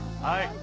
はい。